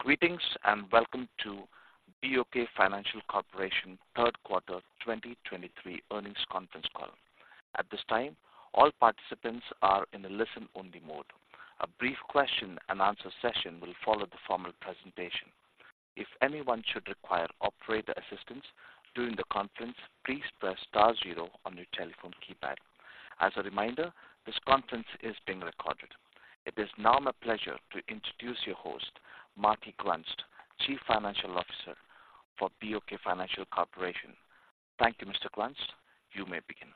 Greetings, and welcome to BOK Financial Corporation Third Quarter 2023 Earnings Conference Call. At this time, all participants are in a listen-only mode. A brief question-and-answer session will follow the formal presentation. If anyone should require operator assistance during the conference, please press star zero on your telephone keypad. As a reminder, this conference is being recorded. It is now my pleasure to introduce your host, Marty Grunst, Chief Financial Officer for BOK Financial Corporation. Thank you, Mr. Grunst. You may begin.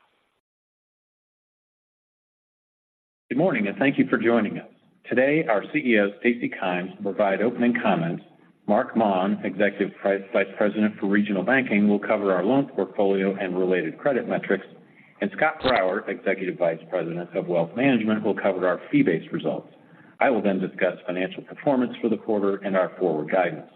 Good morning, and thank you for joining us. Today, our CEO, Stacy Kymes, will provide opening comments. Marc Maun, Executive Vice President for Regional Banking, will cover our loan portfolio and related credit metrics, and Scott Grauer, Executive Vice President of Wealth Management, will cover our fee-based results. I will then discuss financial performance for the quarter and our forward guidance.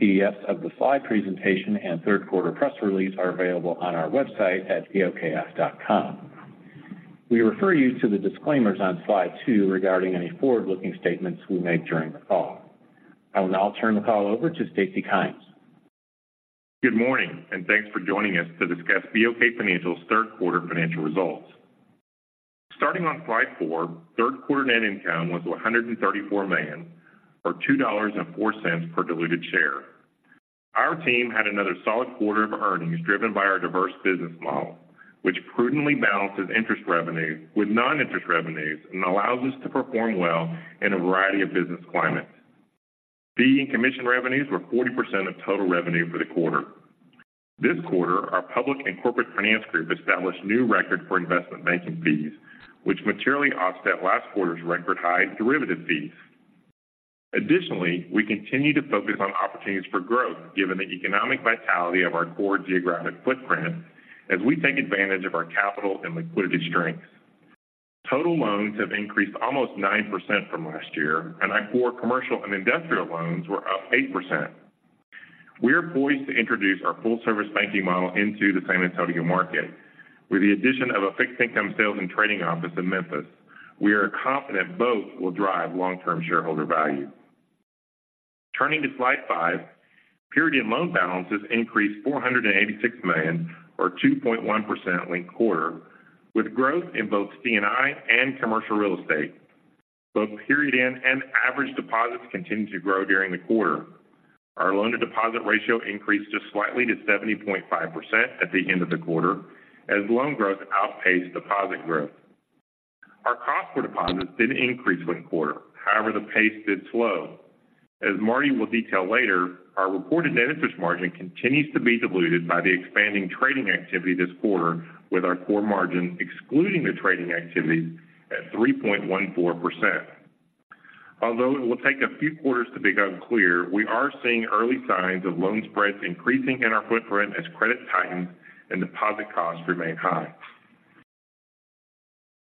PDFs of the slide presentation and third quarter press release are available on our website at bokf.com. We refer you to the disclaimers on slide two regarding any forward-looking statements we make during the call. I will now turn the call over to Stacy Kymes. Good morning, and thanks for joining us to discuss BOK Financial's Third Quarter Financial Results. Starting on slide 4, third quarter net income was $134 million, or $2.04 per diluted share. Our team had another solid quarter of earnings, driven by our diverse business model, which prudently balances interest revenues with non-interest revenues and allows us to perform well in a variety of business climates. Fee and commission revenues were 40% of total revenue for the quarter. This quarter, our public and corporate finance group established a new record for investment banking fees, which materially offset last quarter's record-high derivative fees. Additionally, we continue to focus on opportunities for growth given the economic vitality of our core geographic footprint as we take advantage of our capital and liquidity strengths. Total loans have increased almost 9% from last year, and our core commercial and industrial loans were up 8%. We are poised to introduce our full-service banking model into the San Antonio market. With the addition of a fixed income sales and trading office in Memphis, we are confident both will drive long-term shareholder value. Turning to slide five, period-end loan balances increased $486 million, or 2.1% linked-quarter, with growth in both C&I and commercial real estate. Both period-end and average deposits continued to grow during the quarter. Our loan-to-deposit ratio increased just slightly to 70.5% at the end of the quarter as loan growth outpaced deposit growth. Our cost for deposits did increase linked-quarter. However, the pace did slow. As Marty will detail later, our reported net interest margin continues to be diluted by the expanding trading activity this quarter, with our core margin excluding the trading activity at 3.14%. Although it will take a few quarters to become clear, we are seeing early signs of loan spreads increasing in our footprint as credit tightens and deposit costs remain high.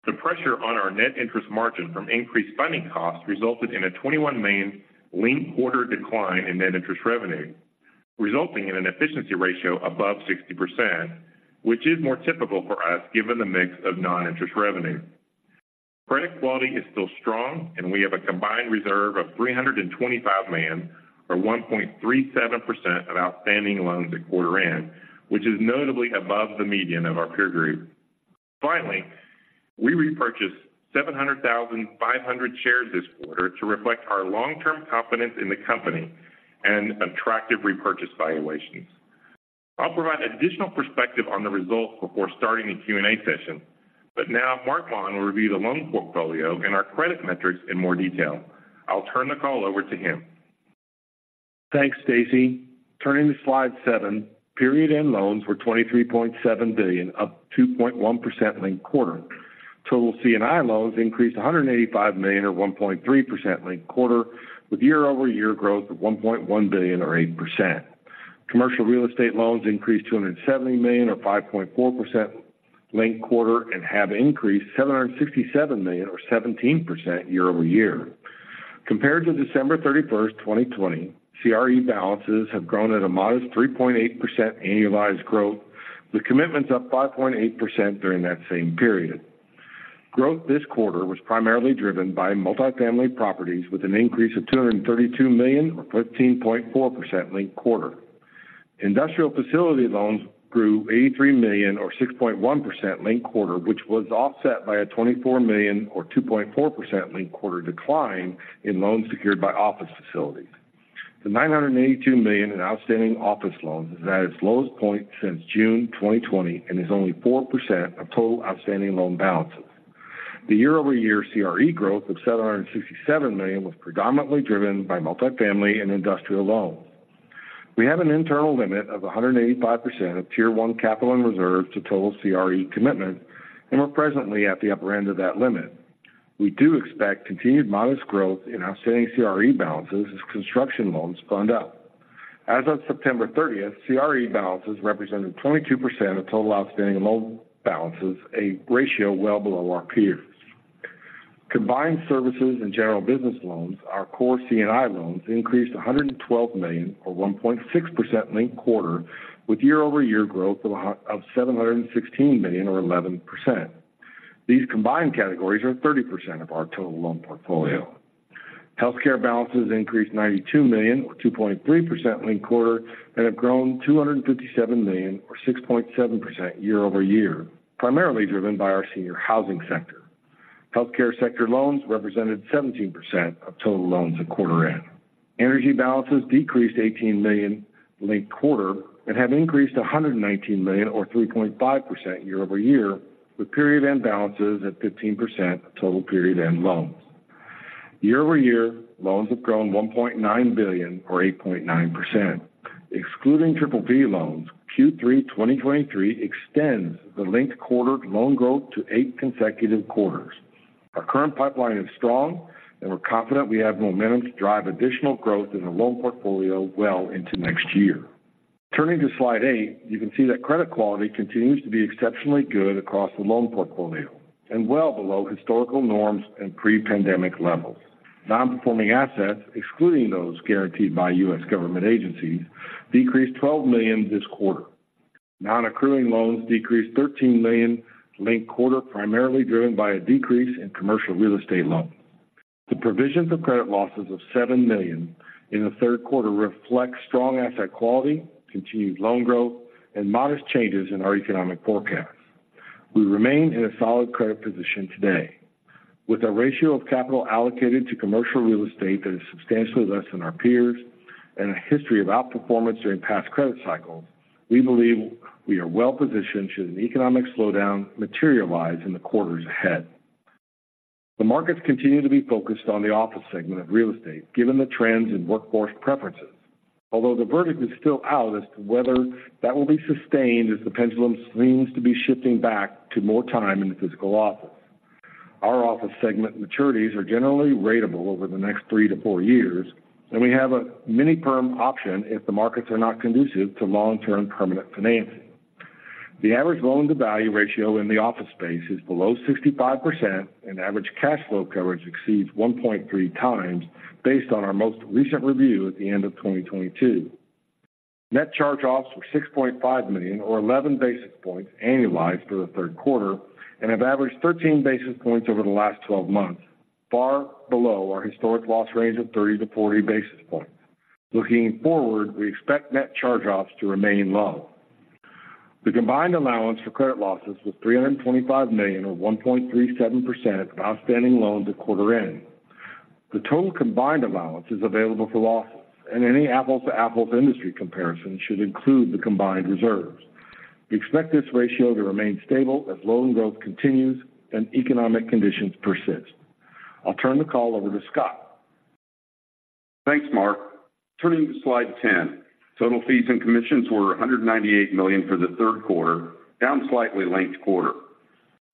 The pressure on our net interest margin from increased funding costs resulted in a $21 million linked quarter decline in net interest revenue, resulting in an efficiency ratio above 60%, which is more typical for us given the mix of non-interest revenue. Credit quality is still strong, and we have a combined reserve of $325 million, or 1.37% of outstanding loans at quarter end, which is notably above the median of our peer group. Finally, we repurchased 700,500 shares this quarter to reflect our long-term confidence in the company and attractive repurchase valuations. I'll provide additional perspective on the results before starting the Q&A session, but now Marc Maun will review the loan portfolio and our credit metrics in more detail. I'll turn the call over to him. Thanks, Stacy. Turning to slide 7, period-end loans were $23.7 billion, up 2.1% linked quarter. Total C&I loans increased $185 million, or 1.3% linked quarter, with year-over-year growth of $1.1 billion, or 8%. Commercial real estate loans increased $270 million, or 5.4% linked quarter, and have increased $767 million, or 17% year-over-year. Compared to December 31, 2020, CRE balances have grown at a modest 3.8% annualized growth, with commitments up 5.8% during that same period. Growth this quarter was primarily driven by multifamily properties, with an increase of $232 million, or 13.4% linked quarter. Industrial facility loans grew $83 million, or 6.1% linked-quarter, which was offset by a $24 million or 2.4% linked-quarter decline in loans secured by office facilities. The $982 million in outstanding office loans is at its lowest point since June 2020 and is only 4% of total outstanding loan balances. The year-over-year CRE growth of $767 million was predominantly driven by multifamily and industrial loans. We have an internal limit of 185% of Tier 1 Capital and reserves to total CRE commitments and are presently at the upper end of that limit. We do expect continued modest growth in outstanding CRE balances as construction loans fund up. As of September thirtieth, CRE balances represented 22% of total outstanding loan balances, a ratio well below our peers. Combined services and general business loans, our core C&I loans increased $112 million, or 1.6% linked-quarter, with year-over-year growth of $716 million or 11%. These combined categories are 30% of our total loan portfolio. Healthcare balances increased $92 million, or 2.3% linked-quarter, and have grown $257 million or 6.7% year-over-year, primarily driven by our senior housing sector. Healthcare sector loans represented 17% of total loans at quarter-end. Energy balances decreased $18 million linked-quarter and have increased $119 million or 3.5% year-over-year, with period-end balances at 15% of total period-end loans. Year-over-year, loans have grown $1.9 billion or 8.9%. Excluding PPP loans, Q3 2023 extends the linked-quarter loan growth to eight consecutive quarters. Our current pipeline is strong and we're confident we have momentum to drive additional growth in the loan portfolio well into next year. Turning to slide 8, you can see that credit quality continues to be exceptionally good across the loan portfolio and well below historical norms and pre-pandemic levels. Non-performing assets, excluding those guaranteed by U.S. government agencies, decreased $12 million this quarter. Non-accruing loans decreased $13 million linked-quarter, primarily driven by a decrease in commercial real estate loans. The provisions of credit losses of $7 million in the third quarter reflect strong asset quality, continued loan growth, and modest changes in our economic forecast. We remain in a solid credit position today. With a ratio of capital allocated to commercial real estate that is substantially less than our peers and a history of outperformance during past credit cycles, we believe we are well positioned should an economic slowdown materialize in the quarters ahead. The markets continue to be focused on the office segment of real estate, given the trends in workforce preferences, although the verdict is still out as to whether that will be sustained, as the pendulum seems to be shifting back to more time in the physical office. Our office segment maturities are generally ratable over the next three to four years, and we have a mini-perm option if the markets are not conducive to long-term permanent financing. The average loan-to-value ratio in the office space is below 65%, and average cash flow coverage exceeds 1.3 times based on our most recent review at the end of 2022. Net charge-offs were $6.5 million, or 11 basis points annualized for the third quarter, and have averaged 13 basis points over the last twelve months, far below our historic loss range of 30-40 basis points. Looking forward, we expect net charge-offs to remain low. The combined allowance for credit losses was $325 million, or 1.37% of outstanding loans at quarter end. The total combined allowance is available for losses, and any apples-to-apples industry comparison should include the combined reserves. We expect this ratio to remain stable as loan growth continues and economic conditions persist. I'll turn the call over to Scott. Thanks, Marc. Turning to slide 10. Total fees and commissions were $198 million for the third quarter, down slightly linked quarter.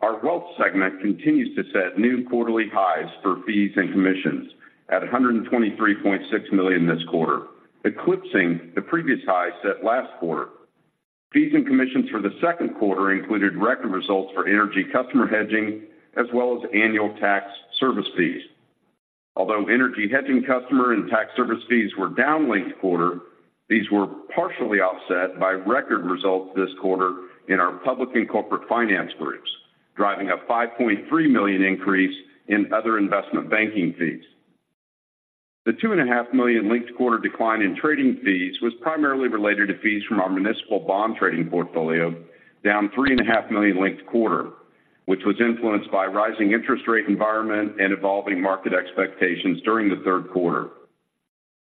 Our wealth segment continues to set new quarterly highs for fees and commissions at $123.6 million this quarter, eclipsing the previous high set last quarter. Fees and commissions for the second quarter included record results for energy customer hedging as well as annual tax service fees. Although energy hedging customer and tax service fees were down linked quarter, these were partially offset by record results this quarter in our public and corporate finance groups, driving a $5.3 million increase in other investment banking fees. The $2.5 million linked quarter decline in trading fees was primarily related to fees from our municipal bond trading portfolio, down $3.5 million linked quarter, which was influenced by rising interest rate environment and evolving market expectations during the third quarter.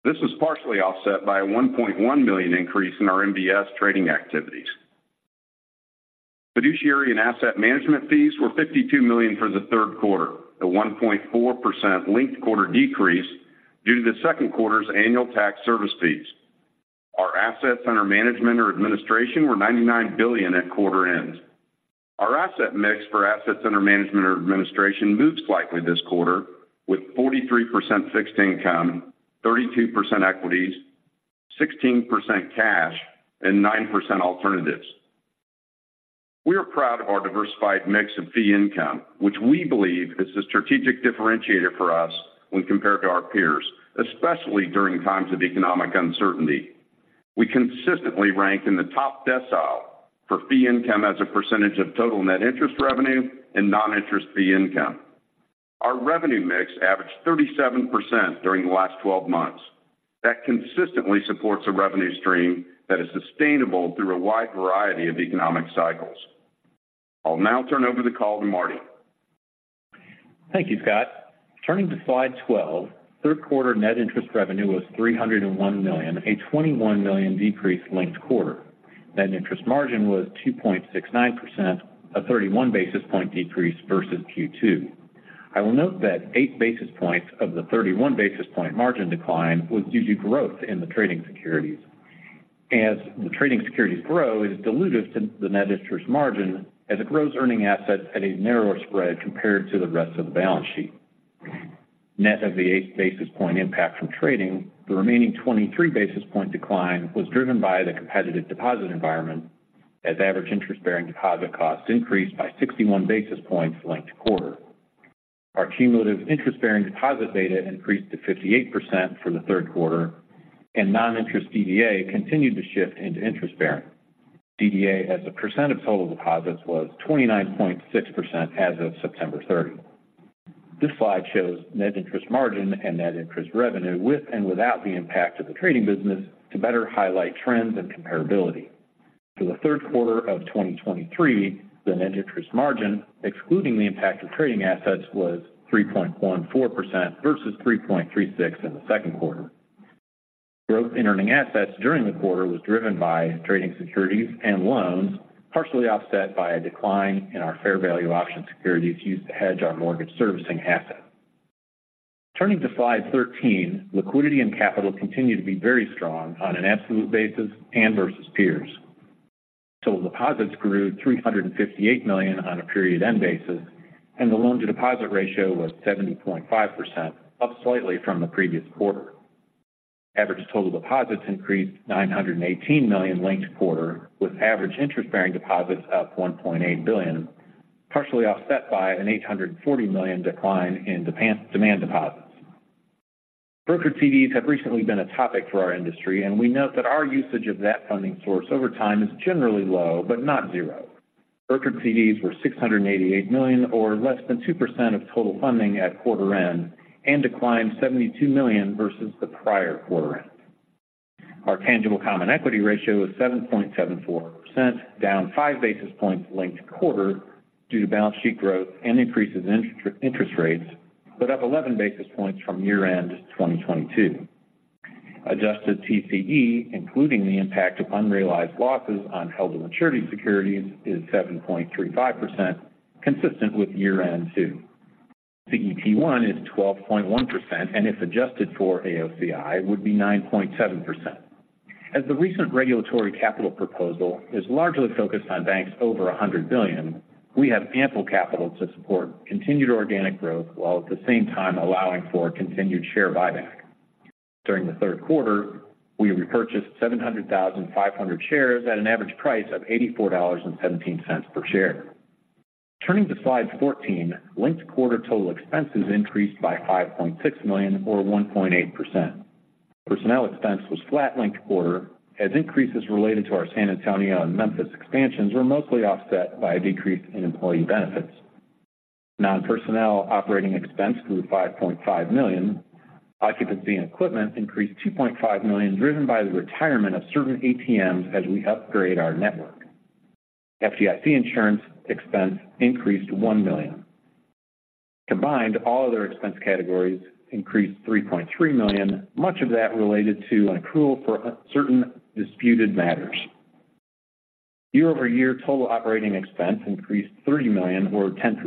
This was partially offset by a $1.1 million increase in our MBS trading activities. Fiduciary and asset management fees were $52 million for the third quarter, a 1.4% linked quarter decrease due to the second quarter's annual tax service fees. Our assets under management or administration were $99 billion at quarter end. Our asset mix for assets under management or administration moved slightly this quarter, with 43% fixed income, 32% equities, 16% cash, and 9% alternatives. We are proud of our diversified mix of fee income, which we believe is a strategic differentiator for us when compared to our peers, especially during times of economic uncertainty. We consistently rank in the top decile for fee income as a percentage of total net interest revenue and non-interest fee income. Our revenue mix averaged 37% during the last twelve months. That consistently supports a revenue stream that is sustainable through a wide variety of economic cycles. I'll now turn over the call to Marty. Thank you, Scott. Turning to slide 12. Third quarter net interest revenue was $301 million, a $21 million decrease linked quarter. Net interest margin was 2.69%, a 31 basis point decrease versus Q2. I will note that 8 basis points of the 31 basis point margin decline was due to growth in the trading securities. As the trading securities grow, it dilutes the net interest margin as it grows earning assets at a narrower spread compared to the rest of the balance sheet. Net of the 8 basis point impact from trading, the remaining 23 basis point decline was driven by the competitive deposit environment, as average interest-bearing deposit costs increased by 61 basis points linked quarter. Our cumulative interest-bearing deposit beta increased to 58% for the third quarter, and non-interest DDA continued to shift into interest bearing. DDA as a percent of total deposits was 29.6% as of September 30. This slide shows net interest margin and net interest revenue with and without the impact of the trading business to better highlight trends and comparability. For the third quarter of 2023, the net interest margin, excluding the impact of trading assets, was 3.14% versus 3.36% in the second quarter. Growth in earning assets during the quarter was driven by trading securities and loans, partially offset by a decline in our fair value option securities used to hedge our mortgage servicing assets. Turning to slide 13, liquidity and capital continue to be very strong on an absolute basis and versus peers. Total deposits grew $358 million on a period-end basis, and the loan-to-deposit ratio was 70.5%, up slightly from the previous quarter. Average total deposits increased $918 million linked-quarter, with average interest-bearing deposits up $1.8 billion, partially offset by an $840 million decline in demand deposits. Brokered CDs have recently been a topic for our industry, and we note that our usage of that funding source over time is generally low, but not zero. Brokered CDs were $688 million, or less than 2% of total funding at quarter end and declined $72 million versus the prior quarter end. Our tangible common equity ratio is 7.74%, down 5 basis points linked quarter due to balance sheet growth and increases in interest rates, but up 11 basis points from year-end 2022. Adjusted TCE, including the impact of unrealized losses on held to maturity securities, is 7.35%, consistent with year-end 2022. CET1 is 12.1%, and if adjusted for AOCI, would be 9.7%. As the recent regulatory capital proposal is largely focused on banks over $100 billion, we have ample capital to support continued organic growth, while at the same time allowing for continued share buyback. During the third quarter, we repurchased 700,500 shares at an average price of $84.17 per share. Turning to slide 14, linked-quarter total expenses increased by $5.6 million, or 1.8%. Personnel expense was flat linked-quarter as increases related to our San Antonio and Memphis expansions were mostly offset by a decrease in employee benefits. Non-personnel operating expense grew $5.5 million. Occupancy and equipment increased $2.5 million, driven by the retirement of certain ATMs as we upgrade our network. FDIC insurance expense increased $1 million. Combined, all other expense categories increased $3.3 million, much of that related to an accrual for certain disputed matters. Year-over-year, total operating expense increased $30 million or 10%.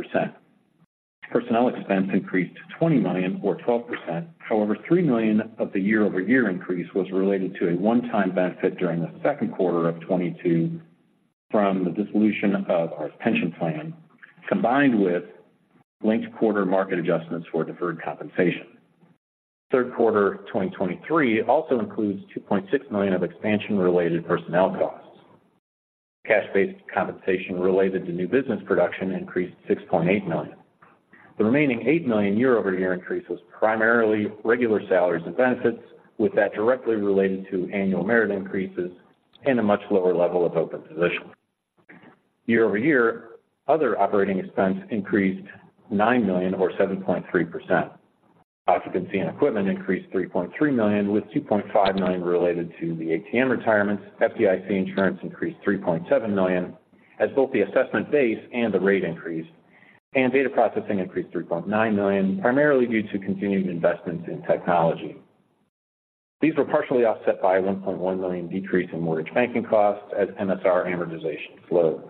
Personnel expense increased $20 million or 12%. However, $3 million of the year-over-year increase was related to a one-time benefit during the second quarter of 2022 from the dissolution of our pension plan, combined with linked-quarter market adjustments for deferred compensation. Third quarter 2023 also includes $2.6 million of expansion-related personnel costs. Cash-based compensation related to new business production increased $6.8 million. The remaining $8 million year-over-year increase was primarily regular salaries and benefits, with that directly related to annual merit increases and a much lower level of open positions. Year-over-year, other operating expense increased $9 million or 7.3%. Occupancy and equipment increased $3.3 million, with $2.5 million related to the ATM retirements. FDIC insurance increased $3.7 million, as both the assessment base and the rate increased, and data processing increased $3.9 million, primarily due to continued investments in technology. These were partially offset by a $1.1 million decrease in mortgage banking costs as MSR amortization slowed.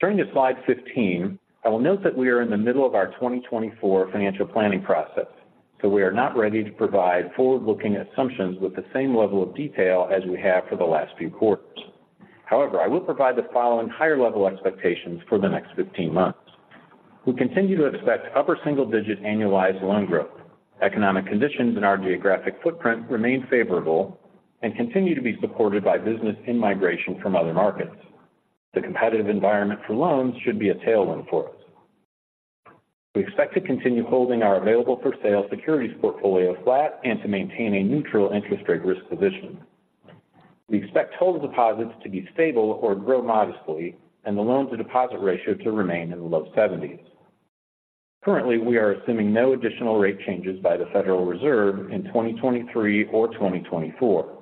Turning to slide 15, I will note that we are in the middle of our 2024 financial planning process, so we are not ready to provide forward-looking assumptions with the same level of detail as we have for the last few quarters. However, I will provide the following higher level expectations for the next 15 months. We continue to expect upper single-digit annualized loan growth. Economic conditions in our geographic footprint remain favorable and continue to be supported by business in migration from other markets. The competitive environment for loans should be a tailwind for us. We expect to continue holding our available-for-sale securities portfolio flat and to maintain a neutral interest rate risk position. We expect total deposits to be stable or grow modestly and the loan-to-deposit ratio to remain in the low 70s. Currently, we are assuming no additional rate changes by the Federal Reserve in 2023 or 2024.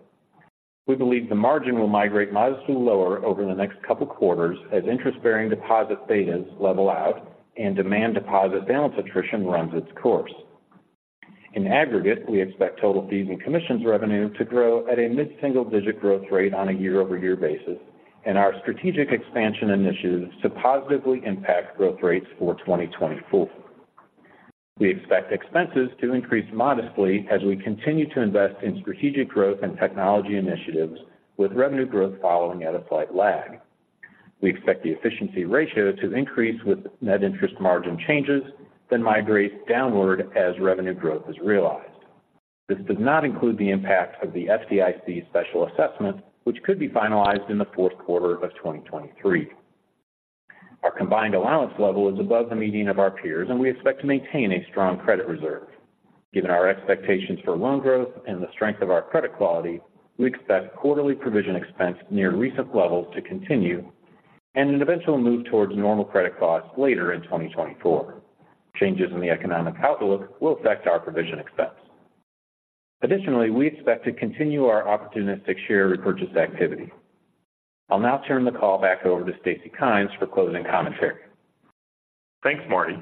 We believe the margin will migrate modestly lower over the next couple quarters as interest-bearing deposit betas level out and demand deposit balance attrition runs its course. In aggregate, we expect total fees and commissions revenue to grow at a mid-single-digit growth rate on a year-over-year basis and our strategic expansion initiatives to positively impact growth rates for 2024. We expect expenses to increase modestly as we continue to invest in strategic growth and technology initiatives, with revenue growth following at a slight lag. We expect the efficiency ratio to increase with net interest margin changes, then migrate downward as revenue growth is realized. This does not include the impact of the FDIC special assessment, which could be finalized in the fourth quarter of 2023. Our combined allowance level is above the median of our peers, and we expect to maintain a strong credit reserve. Given our expectations for loan growth and the strength of our credit quality, we expect quarterly provision expense near recent levels to continue and an eventual move towards normal credit costs later in 2024. Changes in the economic outlook will affect our provision expense. Additionally, we expect to continue our opportunistic share repurchase activity. I'll now turn the call back over to Stacy Kymes for closing commentary. Thanks, Marty.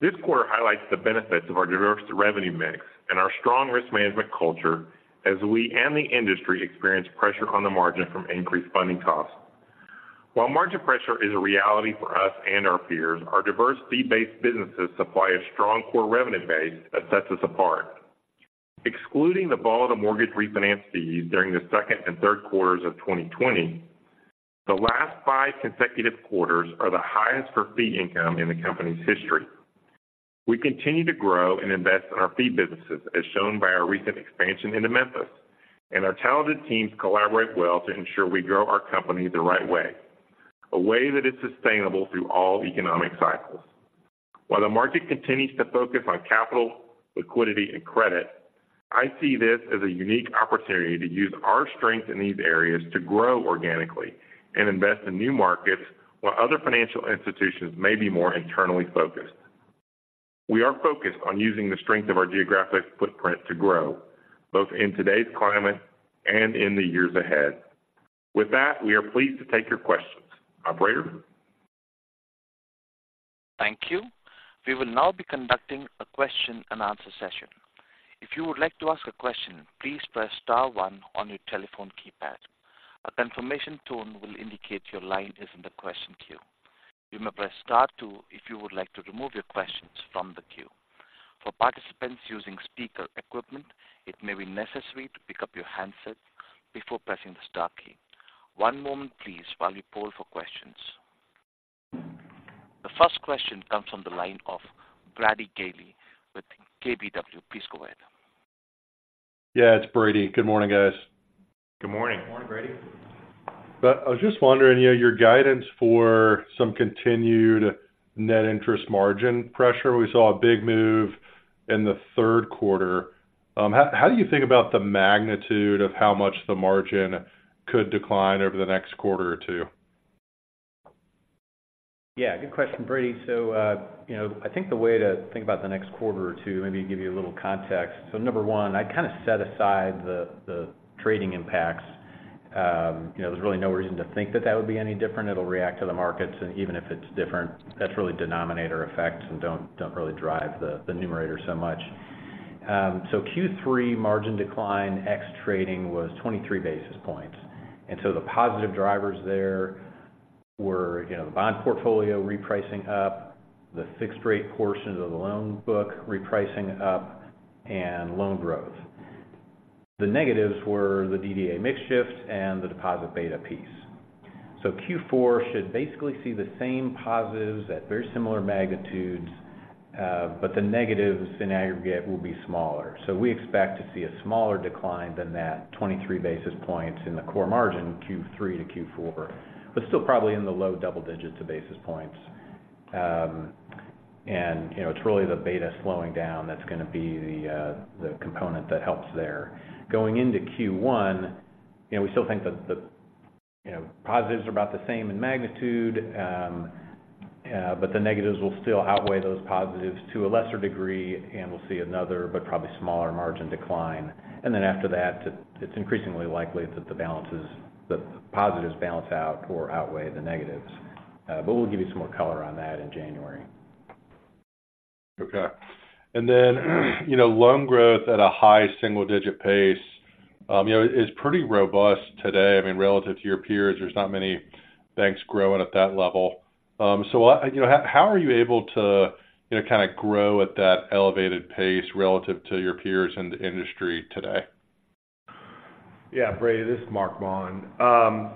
This quarter highlights the benefits of our diverse revenue mix and our strong risk management culture as we and the industry experience pressure on the margin from increased funding costs. While margin pressure is a reality for us and our peers, our diverse fee-based businesses supply a strong core revenue base that sets us apart. Excluding the volatile mortgage refinance fees during the second and third quarters of 2020, the last five consecutive quarters are the highest for fee income in the company's history. We continue to grow and invest in our fee businesses, as shown by our recent expansion into Memphis, and our talented teams collaborate well to ensure we grow our company the right way, a way that is sustainable through all economic cycles. While the market continues to focus on capital, liquidity, and credit, I see this as a unique opportunity to use our strength in these areas to grow organically and invest in new markets, while other financial institutions may be more internally focused. We are focused on using the strength of our geographic footprint to grow, both in today's climate and in the years ahead. With that, we are pleased to take your questions. Operator? Thank you. We will now be conducting a question-and-answer session. If you would like to ask a question, please press star one on your telephone keypad. A confirmation tone will indicate your line is in the question queue. You may press star two if you would like to remove your questions from the queue. For participants using speaker equipment, it may be necessary to pick up your handset before pressing the star key. One moment, please, while we poll for questions. The first question comes from the line of Brady Gailey with KBW. Please go ahead. Yeah, it's Brady. Good morning, guys. Good morning. Good morning, Brady. But I was just wondering, you know, your guidance for some continued net interest margin pressure. We saw a big move in the third quarter. How do you think about the magnitude of how much the margin could decline over the next quarter or two? Yeah, good question, Brady. So, you know, I think the way to think about the next quarter or two, maybe give you a little context. So number one, I kind of set aside the trading impacts. You know, there's really no reason to think that that would be any different. It'll react to the markets, and even if it's different, that's really denominator effects and don't really drive the numerator so much. So Q3 margin decline ex trading was 23 basis points, and so the positive drivers there were, you know, the bond portfolio repricing up, the fixed rate portions of the loan book repricing up, and loan growth. The negatives were the DDA mix shift and the deposit beta piece. So Q4 should basically see the same positives at very similar magnitudes, but the negatives in aggregate will be smaller. So we expect to see a smaller decline than that 23 basis points in the core margin, Q3 to Q4, but still probably in the low double digits of basis points. And, you know, it's really the beta slowing down that's going to be the, the component that helps there. Going into Q1, you know, we still think that the, you know, positives are about the same in magnitude, but the negatives will still outweigh those positives to a lesser degree, and we'll see another, but probably smaller margin decline. And then after that, it's, it's increasingly likely that the balances, the positives balance out or outweigh the negatives. But we'll give you some more color on that in January. Okay. And then, you know, loan growth at a high single-digit pace, you know, is pretty robust today. I mean, relative to your peers, there's not many banks growing at that level. So what-- you know, how, how are you able to, you know, kind of grow at that elevated pace relative to your peers in the industry today? Yeah, Brady, this is Marc Maun.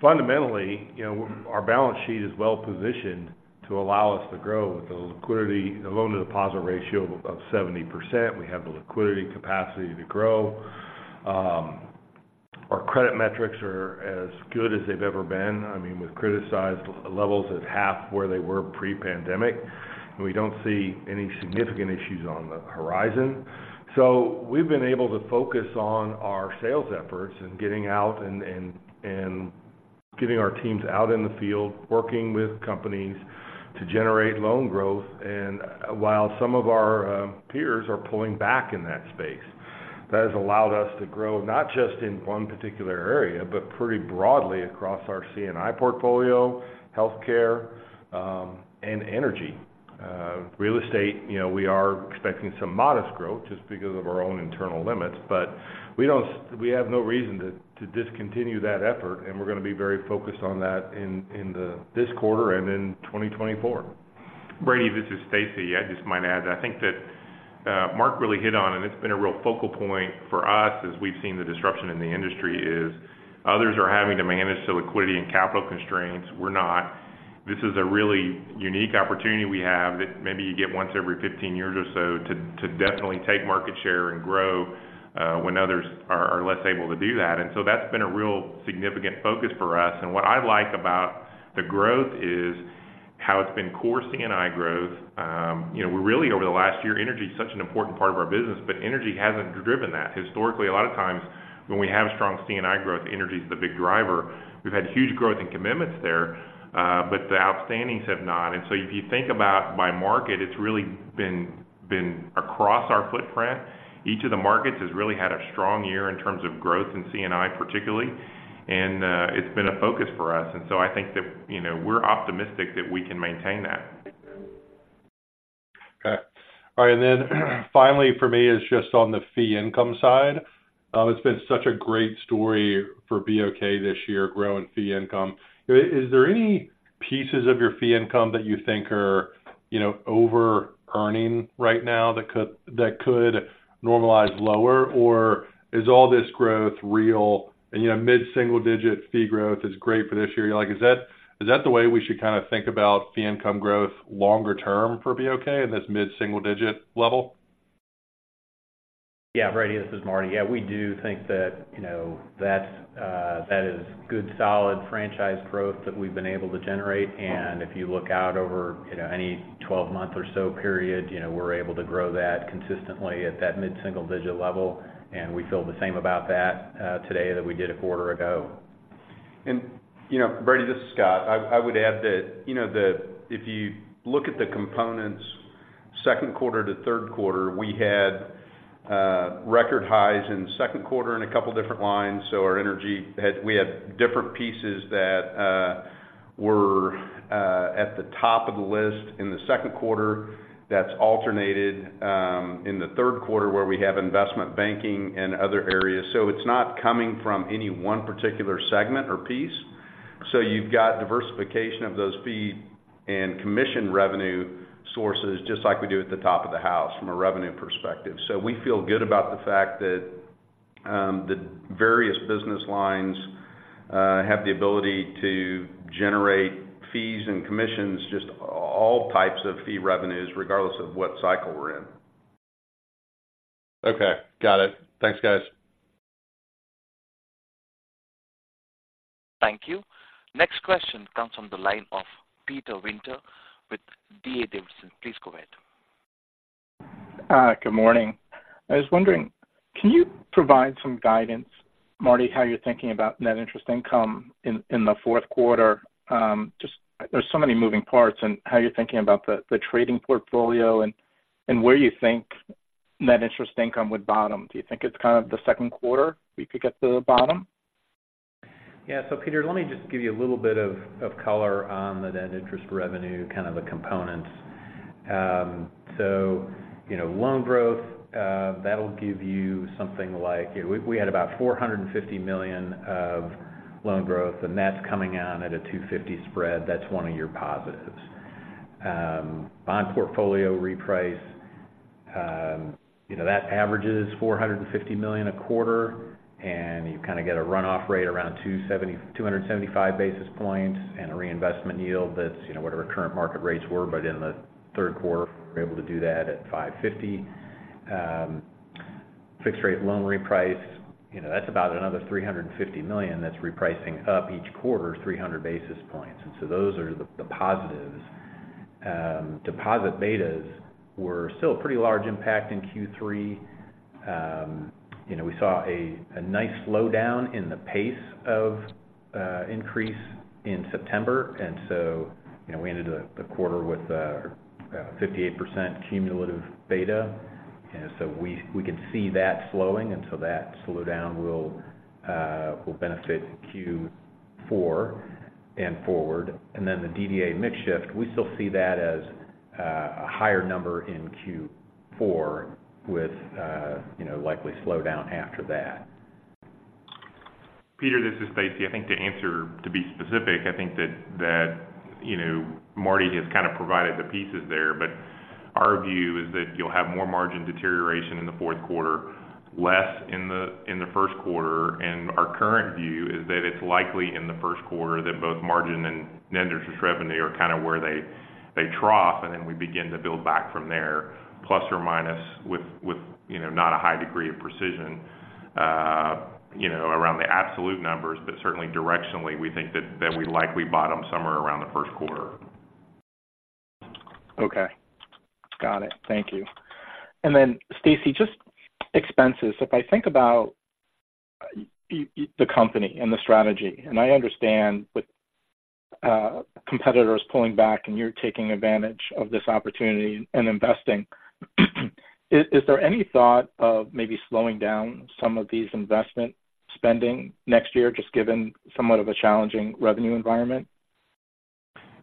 Fundamentally, you know, our balance sheet is well positioned to allow us to grow with a liquidity, a loan-to-deposit ratio of 70%. We have the liquidity capacity to grow. Our credit metrics are as good as they've ever been. I mean, with criticized levels at half where they were pre-pandemic, and we don't see any significant issues on the horizon. So we've been able to focus on our sales efforts and getting out and getting our teams out in the field, working with companies to generate loan growth. And while some of our peers are pulling back in that space, that has allowed us to grow not just in one particular area, but pretty broadly across our C&I portfolio, healthcare, and energy. Real estate, you know, we are expecting some modest growth just because of our own internal limits, but we don't, we have no reason to discontinue that effort, and we're going to be very focused on that in this quarter and in 2024. Brady, this is Stacy. I just might add, I think that, Marc really hit on, and it's been a real focal point for us as we've seen the disruption in the industry, is others are having to manage the liquidity and capital constraints. We're not. This is a really unique opportunity we have, that maybe you get once every 15 years or so, to definitely take market share and grow, when others are less able to do that. And so that's been a real significant focus for us. And what I like about the growth is how it's been core C&I growth. You know, we really, over the last year, energy is such an important part of our business, but energy hasn't driven that. Historically, a lot of times when we have strong C&I growth, energy is the big driver. We've had huge growth in commitments there, but the outstanding's have not. And so if you think about by market, it's really been across our footprint. Each of the markets has really had a strong year in terms of growth in C&I, particularly, and, it's been a focus for us. And so I think that, you know, we're optimistic that we can maintain that. Okay. All right, and then, finally, for me, is just on the fee income side. It's been such a great story for BOK this year, growing fee income. Is there any pieces of your fee income that you think are, you know, over-earning right now, that could, that could normalize lower? Or is all this growth real? And, you know, mid-single-digit fee growth is great for this year. Like, is that, is that the way we should kind of think about fee income growth longer term for BOK, in this mid-single-digit level? Yeah, Brady, this is Marty. Yeah, we do think that, you know, that, that is good, solid franchise growth that we've been able to generate. And if you look out over, you know, any 12-month or so period, you know, we're able to grow that consistently at that mid-single-digit level, and we feel the same about that, today that we did a quarter ago. You know, Brady, this is Scott. I would add that, you know, that if you look at the components, second quarter to third quarter, we had record highs in the second quarter in a couple of different lines. So our energy had we had different pieces that were at the top of the list in the second quarter. That's alternated in the third quarter, where we have investment banking and other areas. So it's not coming from any one particular segment or piece. So you've got diversification of those fee and commission revenue sources, just like we do at the top of the house, from a revenue perspective. So we feel good about the fact that the various business lines have the ability to generate fees and commissions, just all types of fee revenues, regardless of what cycle we're in. Okay, got it. Thanks, guys. Thank you. Next question comes from the line of Peter Winter with D.A. Davidson. Please go ahead. Hi, good morning. I was wondering, can you provide some guidance, Marty, how you're thinking about net interest income in the fourth quarter? Just there's so many moving parts, and how you're thinking about the trading portfolio and where you think net interest income would bottom. Do you think it's kind of the second quarter, we could get to the bottom? Yeah. So, Peter, let me just give you a little bit of, of color on the net interest revenue, kind of the components. So you know, loan growth, that'll give you something like. We, we had about $450 million of loan growth, and that's coming in at a 250 spread. That's one of your positives. Bond portfolio reprice, you know, that averages $450 million a quarter, and you kind of get a run-off rate around 270-275 basis points, and a reinvestment yield that's, you know, whatever current market rates were. But in the third quarter, we're able to do that at 550. Fixed rate loan reprice, you know, that's about another $350 million that's repricing up each quarter, 300 basis points. And so those are the, the positives. Deposit betas were still a pretty large impact in Q3. You know, we saw a nice slowdown in the pace of increase in September, and so, you know, we ended the quarter with a 58% cumulative beta, and so we can see that slowing, and so that slowdown will benefit Q4 and forward. And then the DDA mix shift, we still see that as a higher number in Q4 with you know, likely slow down after that. Peter, this is Stacy. I think the answer, to be specific, I think that you know, Marty has kind of provided the pieces there, but our view is that you'll have more margin deterioration in the fourth quarter, less in the first quarter. And our current view is that it's likely in the first quarter that both margin and net interest revenue are kind of where they trough, and then we begin to build back from there, plus or minus, with you know, not a high degree of precision around the absolute numbers. But certainly directionally, we think that we likely bottom somewhere around the first quarter. Okay. Got it. Thank you. And then, Stacy, just expenses. If I think about the company and the strategy, and I understand with competitors pulling back, and you're taking advantage of this opportunity and investing, is there any thought of maybe slowing down some of these investment spending next year, just given somewhat of a challenging revenue environment?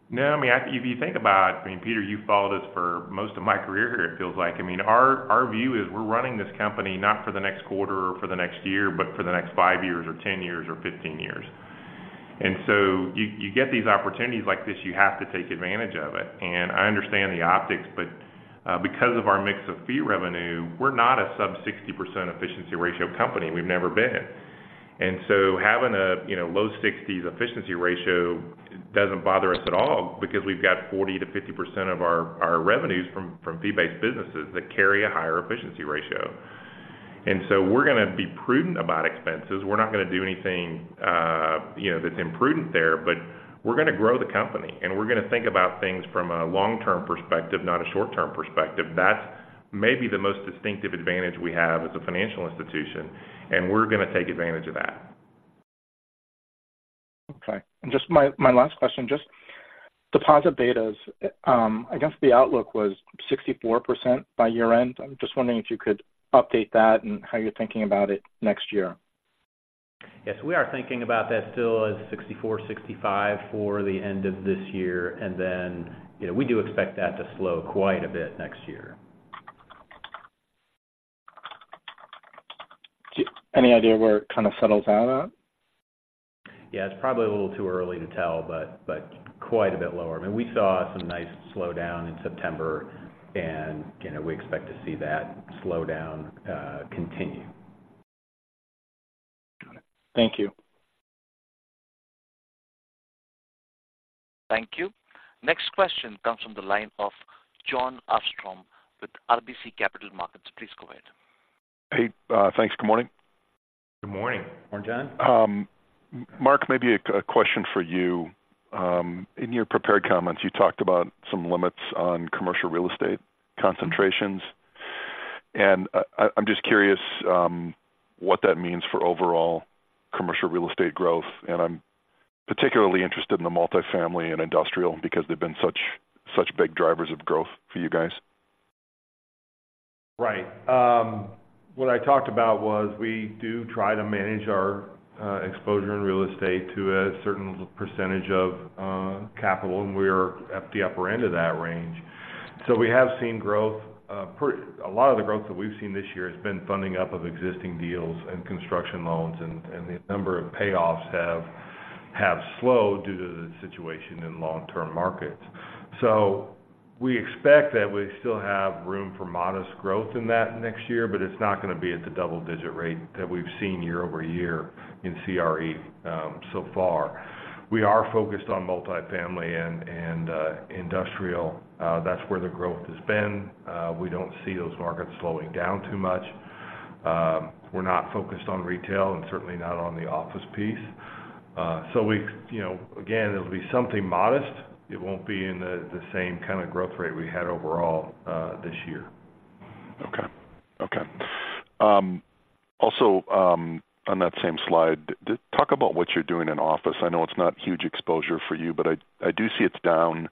No, I mean, if, if you think about it, I mean, Peter, you've followed us for most of my career here, it feels like. I mean, our, our view is we're running this company not for the next quarter or for the next year, but for the next 5 years or 10 years or 15 years. And so you, you get these opportunities like this, you have to take advantage of it. And I understand the optics, but, because of our mix of fee revenue, we're not a sub 60% efficiency ratio company. We've never been. And so having a, you know, low 60s efficiency ratio doesn't bother us at all, because we've got 40%-50% of our, our revenues from, from fee-based businesses that carry a higher efficiency ratio. And so we're going to be prudent about expenses. We're not going to do anything, you know, that's imprudent there, but we're going to grow the company, and we're going to think about things from a long-term perspective, not a short-term perspective. That's maybe the most distinctive advantage we have as a financial institution, and we're going to take advantage of that. Okay. And just my last question, just deposit betas. I guess the outlook was 64% by year-end. I'm just wondering if you could update that and how you're thinking about it next year. Yes, we are thinking about that still as 64%-65% for the end of this year, and then, you know, we do expect that to slow quite a bit next year. Any idea where it kind of settles out at? Yeah, it's probably a little too early to tell, but, but quite a bit lower. I mean, we saw some nice slowdown in September, and, you know, we expect to see that slowdown continue. Got it. Thank you. Thank you. Next question comes from the line of Jon Arfstrom with RBC Capital Markets. Please go ahead. Hey, thanks. Good morning. Good morning. Morning, Jon. Marc, maybe a question for you. In your prepared comments, you talked about some limits on commercial real estate concentrations, and I'm just curious what that means for overall commercial real estate growth, and I'm particularly interested in the multifamily and industrial, because they've been such big drivers of growth for you guys. Right. What I talked about was we do try to manage our exposure in real estate to a certain percentage of capital, and we're at the upper end of that range. So we have seen growth, a lot of the growth that we've seen this year has been funding up of existing deals and construction loans and the number of payoffs have slowed due to the situation in long-term markets. So we expect that we still have room for modest growth in that next year, but it's not going to be at the double-digit rate that we've seen year-over-year in CRE so far. We are focused on multifamily and industrial. That's where the growth has been. We don't see those markets slowing down too much. We're not focused on retail and certainly not on the office piece. So we—you know, again, it'll be something modest. It won't be in the same kind of growth rate we had overall, this year. Okay. Okay. Also, on that same slide, talk about what you're doing in office. I know it's not huge exposure for you, but I do see it's down,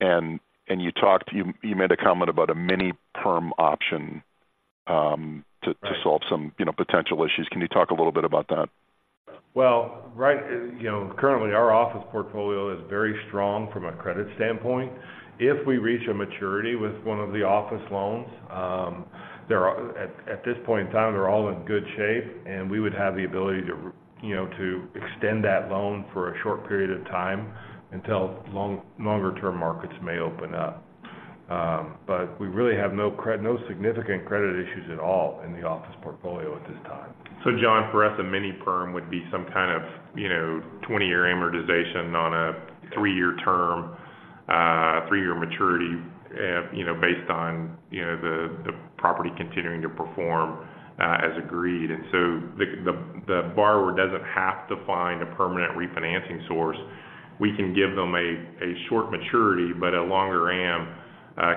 and you talked. You made a comment about a mini-perm option. Right To solve some, you know, potential issues. Can you talk a little bit about that? Well, right, you know, currently, our office portfolio is very strong from a credit standpoint. If we reach a maturity with one of the office loans, they're all in good shape at this point in time, and we would have the ability to, you know, to extend that loan for a short period of time until longer-term markets may open up. But we really have no significant credit issues at all in the office portfolio at this time. So Jon, for us, a mini-perm would be some kind of, you know, 20-year amortization on a 3-year term, 3-year maturity, you know, based on, you know, the borrower doesn't have to find a permanent refinancing source. We can give them a short maturity, but a longer am,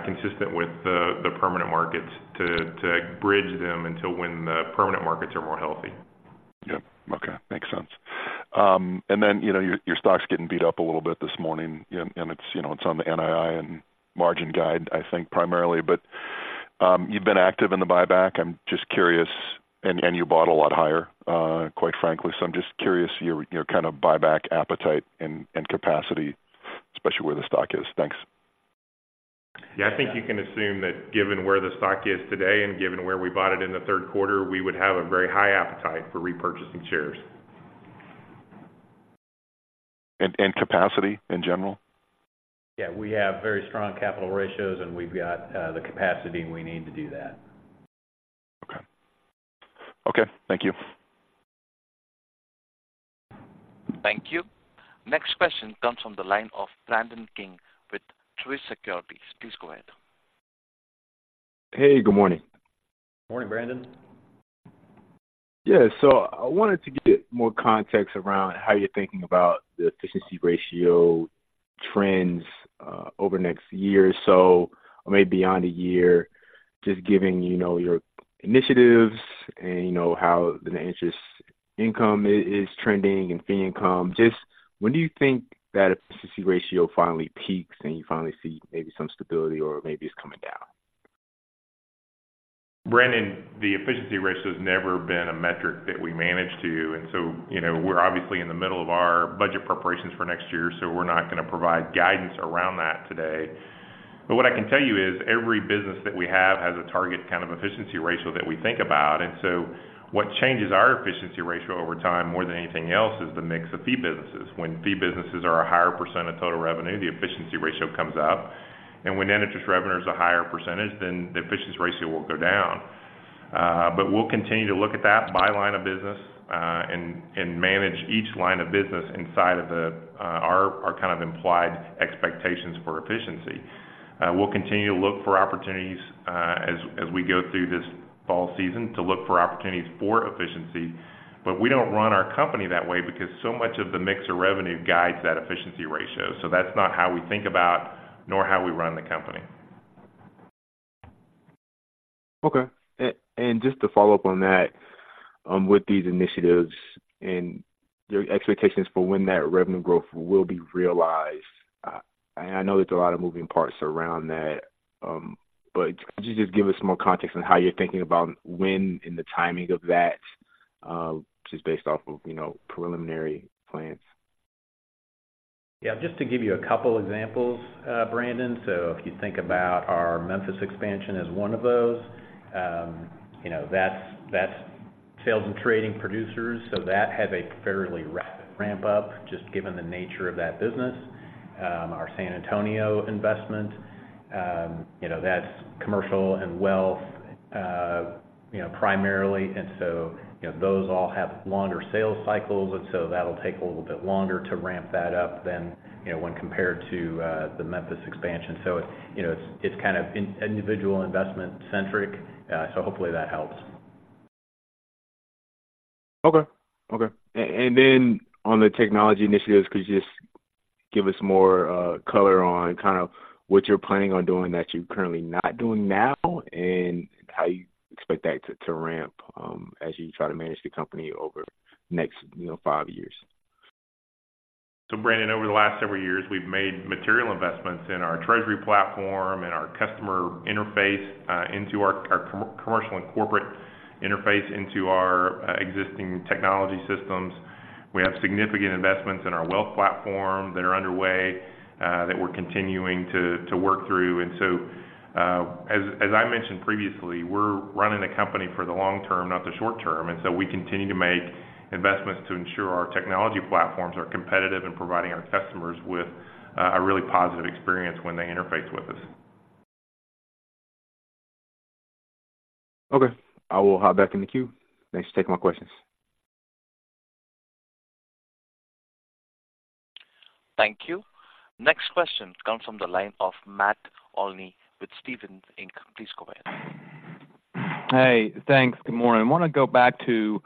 consistent with the permanent markets, to bridge them until when the permanent markets are more healthy. Yep. Okay, makes sense. And then, you know, your, your stock's getting beat up a little bit this morning, and, and it's, you know, it's on the NII and margin guide, I think, primarily. But, you've been active in the buyback. I'm just curious, and, and you bought a lot higher, quite frankly. So I'm just curious your, your kind of buyback appetite and, and capacity, especially where the stock is. Thanks. Yeah, I think you can assume that given where the stock is today and given where we bought it in the third quarter, we would have a very high appetite for repurchasing shares. And capacity in general? Yeah, we have very strong capital ratios, and we've got the capacity we need to do that. Okay. Okay, thank you. Thank you. Next question comes from the line of Brandon King with Truist Securities. Please go ahead. Hey, good morning. Morning, Brandon. Yeah, so I wanted to get more context around how you're thinking about the efficiency ratio trends over the next year or so, or maybe beyond a year. Just given, you know, your initiatives and, you know, how the interest income is trending and fee income, just when do you think that efficiency ratio finally peaks, and you finally see maybe some stability or maybe it's coming down? Brandon, the efficiency ratio has never been a metric that we manage to, and so, you know, we're obviously in the middle of our budget preparations for next year, so we're not going to provide guidance around that today. But what I can tell you is every business that we have has a target kind of efficiency ratio that we think about. And so what changes our efficiency ratio over time, more than anything else, is the mix of fee businesses. When fee businesses are a higher percent of total revenue, the efficiency ratio comes up and when net interest revenue is a higher percentage, then the efficiency ratio will go down. But we'll continue to look at that by line of business, and manage each line of business inside of our kind of implied expectations for efficiency. We'll continue to look for opportunities, as we go through this fall season, to look for opportunities for efficiency. But we don't run our company that way because so much of the mix of revenue guides that efficiency ratio. So that's not how we think about, nor how we run the company. Okay. And just to follow up on that, with these initiatives and your expectations for when that revenue growth will be realized, and I know there's a lot of moving parts around that, but could you just give us more context on how you're thinking about when and the timing of that, just based off of, you know, preliminary plans? Yeah, just to give you a couple examples, Brandon. So if you think about our Memphis expansion as one of those, you know, that's sales and trading producers, so that has a fairly rapid ramp-up, just given the nature of that business. Our San Antonio investment, you know, that's commercial and wealth, you know, primarily. And so, you know, those all have longer sales cycles, and so that'll take a little bit longer to ramp that up than, you know, when compared to the Memphis expansion. So, you know, it's kind of individual investment centric. So hopefully that helps. Okay. Okay. And then on the technology initiatives, could you just give us more color on kind of what you're planning on doing that you're currently not doing now, and how you expect that to ramp as you try to manage the company over the next, you know, five years? So Brandon, over the last several years, we've made material investments in our treasury platform and our customer interface, into our commercial and corporate interface, into our existing technology systems. We have significant investments in our wealth platform that are underway, that we're continuing to work through. And so, as I mentioned previously, we're running the company for the long term, not the short term. And so we continue to make investments to ensure our technology platforms are competitive in providing our customers with a really positive experience when they interface with us. Okay. I will hop back in the queue. Thanks for taking my questions. Thank you. Next question comes from the line of Matt Olney with Stephens Inc. Please go ahead. Hey, thanks. Good morning. I wanna go back to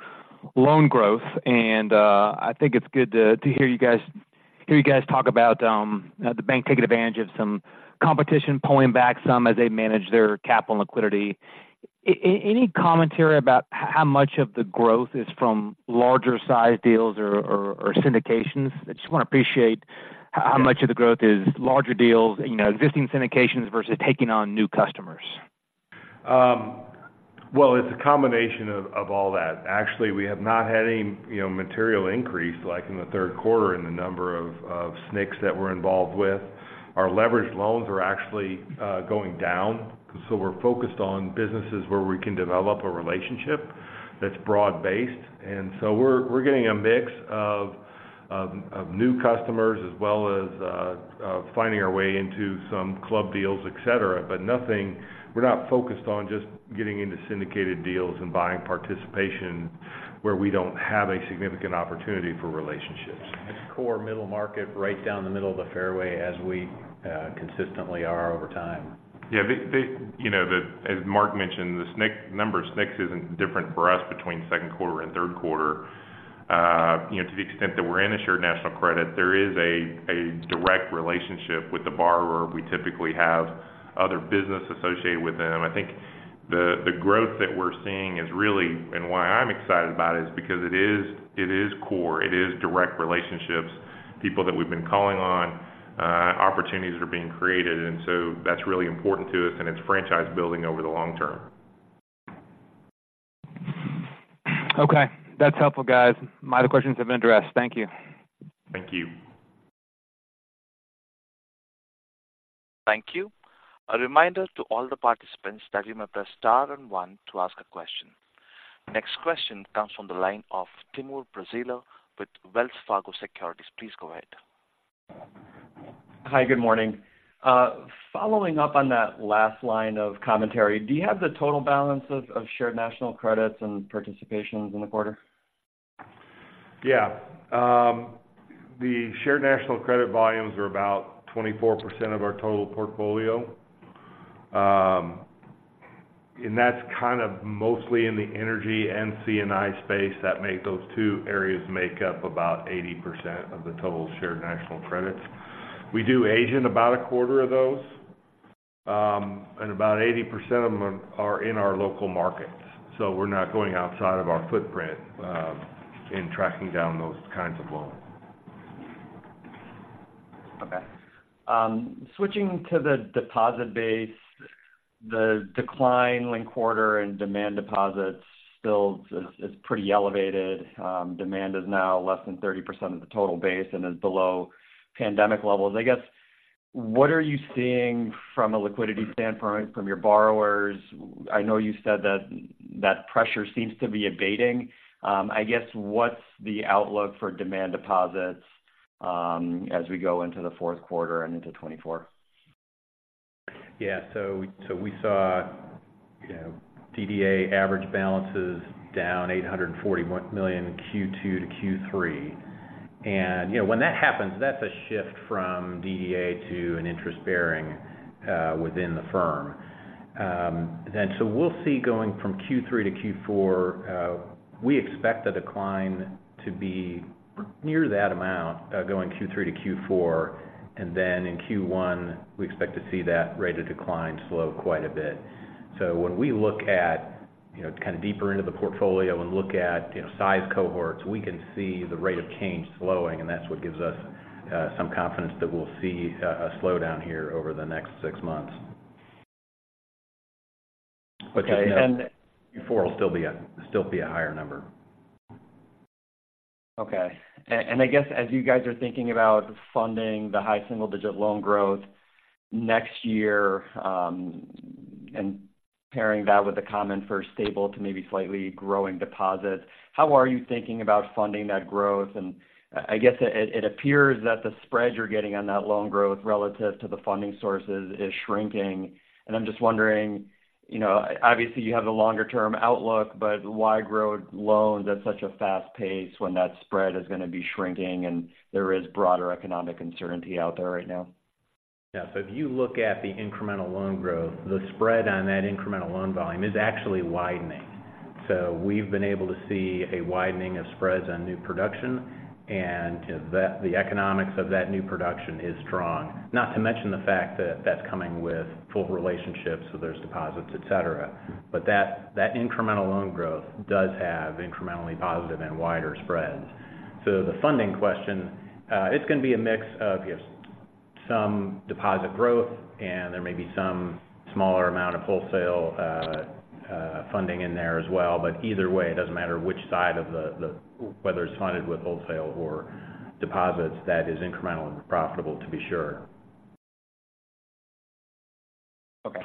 loan growth, and I think it's good to hear you guys talk about the bank taking advantage of some competition pulling back some as they manage their capital liquidity. Any commentary about how much of the growth is from larger sized deals or syndications? I just want an appreciation of how much of the growth is larger deals, you know, existing syndications versus taking on new customers. Well, it's a combination of all that. Actually, we have not had any, you know, material increase, like in the third quarter, in the number of SNCs that we're involved with. Our leveraged loans are actually going down, so we're focused on businesses where we can develop a relationship that's broad-based. And so we're getting a mix of new customers, as well as finding our way into some club deals, et cetera. But nothing, we're not focused on just getting into syndicated deals and buying participation, where we don't have a significant opportunity for relationships. It's core middle market, right down the middle of the fairway, as we consistently are over time. Yeah, the—the—you know, the, as Marc mentioned, the SNC number of SNCs isn't different for us between second quarter and third quarter. You know, to the extent that we're in the shared national credit, there is a direct relationship with the borrower. We typically have other business associated with them. I think the growth that we're seeing is really, and why I'm excited about it, is because it is core, it is direct relationships, people that we've been calling on, opportunities are being created. And so that's really important to us, and it's franchise building over the long term. Okay. That's helpful, guys. My other questions have been addressed. Thank you. Thank you. Thank you. A reminder to all the participants that you may press star and one to ask a question. Next question comes from the line of Timur Braziler with Wells Fargo Securities. Please go ahead. Hi, good morning. Following up on that last line of commentary, do you have the total balance of, of Shared National Credits and participations in the quarter? Yeah. The Shared National Credit volumes are about 24% of our total portfolio. And that's kind of mostly in the energy and C&I space, those two areas make up about 80% of the total Shared National Credits. We do agent about 25% of those, and about 80% of them are in our local markets. So we're not going outside of our footprint in tracking down those kinds of loans. Okay. Switching to the deposit base, the decline linked quarter and demand deposits still is pretty elevated. Demand is now less than 30% of the total base and is below pandemic levels. I guess, what are you seeing from a liquidity standpoint from your borrowers? I know you said that that pressure seems to be abating. I guess, what's the outlook for demand deposits, as we go into the fourth quarter and into 2024? Yeah. So, so we saw, you know, DDA average balances down $841 million in Q2 to Q3. And, you know, when that happens, that's a shift from DDA to an interest-bearing within the firm. And so we'll see going from Q3 to Q4, we expect the decline to be near that amount, going Q3 to Q4, and then in Q1, we expect to see that rate of decline slow quite a bit. So when we look at, you know, kind of deeper into the portfolio and look at, you know, size cohorts, we can see the rate of change slowing, and that's what gives us some confidence that we'll see a slowdown here over the next six months. Okay, and- Q4 will still be a higher number. Okay. And I guess as you guys are thinking about funding the high single-digit loan growth next year, and pairing that with the comment for stable to maybe slightly growing deposits, how are you thinking about funding that growth? And I guess it appears that the spread you're getting on that loan growth relative to the funding sources is shrinking. And I'm just wondering, you know, obviously, you have the longer-term outlook, but why grow loans at such a fast pace when that spread is gonna be shrinking and there is broader economic uncertainty out there right now? Yeah. So if you look at the incremental loan growth, the spread on that incremental loan volume is actually widening. So we've been able to see a widening of spreads on new production, and the, the economics of that new production is strong. Not to mention the fact that that's coming with full relationships, so there's deposits, et cetera. But that, that incremental loan growth does have incrementally positive and wider spreads. So the funding question, it's gonna be a mix of, you know, some deposit growth, and there may be some smaller amount of wholesale funding in there as well, but either way, it doesn't matter which side of the, the whether it's funded with wholesale or deposits, that is incremental and profitable, to be sure. Okay.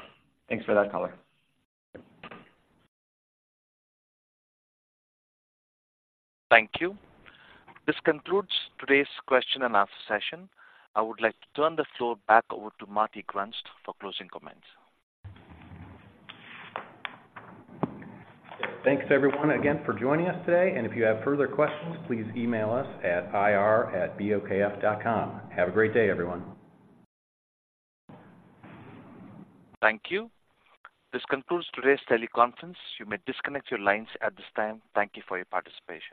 Thanks for that color. Thank you. This concludes today's question and answer session. I would like to turn the floor back over to Marty Grunst for closing comments. Thanks, everyone, again for joining us today. If you have further questions, please email us at ir@bokf.com. Have a great day, everyone. Thank you. This concludes today's teleconference. You may disconnect your lines at this time. Thank you for your participation.